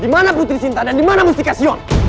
di mana putri sinta dan di mana mustiqasyon